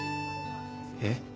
えっ？